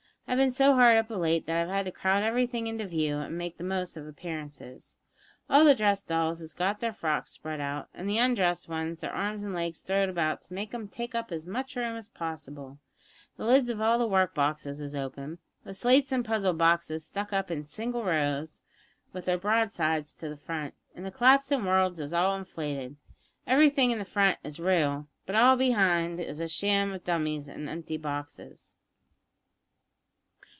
I've bin so hard up of late that I've had to crowd everything into view an' make the most of appearances. All the dressed dolls has got their frocks spread out, and the undressed ones their arms an' legs throwed about to make 'em take up as much room as possible. The lids of all the work boxes is open, the slates and puzzle boxes stuck up in single rows, with their broadsides to the front, and the collapsin' worlds is all inflated. Everything in the front is real, but all behind is sham dummies an' empty boxes."